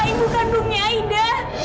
ibu kandungnya aida